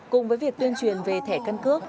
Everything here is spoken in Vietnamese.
cùng với việc tuyên truyền về thẻ căn cước